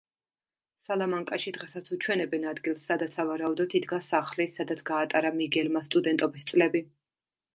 სალამანკაში დღესაც უჩვენებენ ადგილს, სადაც სავარაუდოდ იდგა სახლი, სადაც გაატარა მიგელმა სტუდენტობის წლები.